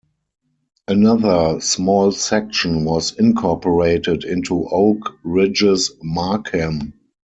Another small section was incorporated into Oak Ridges-Markham.